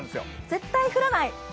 絶対降らない？